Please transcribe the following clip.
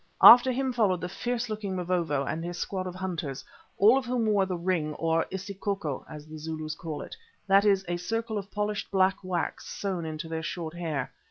After him followed the fierce looking Mavovo and his squad of hunters, all of whom wore the "ring" or isicoco, as the Zulus call it; that is, a circle of polished black wax sewn into their short hair.